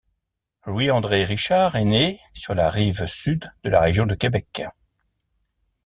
Louis-André Richard est né sur la rive sud de la région de Québec.